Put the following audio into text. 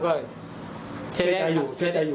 เซเดกใจอยู่